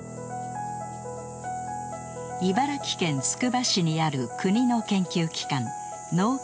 茨城県つくば市にある国の研究機関農研機構です。